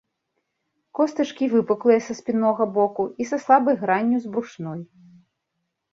Костачкі выпуклыя са спіннога боку і са слабай гранню з брушной.